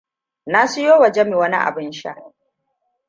Na siyo wa Jami wani abin sha.